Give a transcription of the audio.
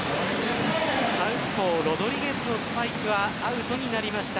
サウスポー・ロドリゲスのスパイクはアウトになりました。